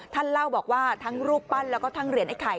ท่านเล่าบอกว่าทั้งรูปปั้นแล้วก็ทั้งเหรียญไอ้ไข่